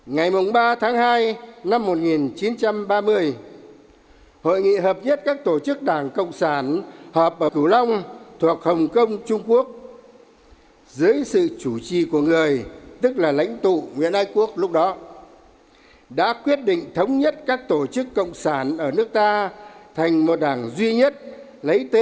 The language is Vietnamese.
ngày ba tháng hai năm một nghìn chín trăm ba mươi hội nghị hợp nhất các tổ chức đảng cộng sản hợp ở cửu long thuộc hồng kông trung quốc dưới sự chủ trì của người tức là lãnh tụ nguyễn ai quốc lúc đó đã quyết định thống nhất các tổ chức cộng sản ở nước ta thành một đảng duy nhất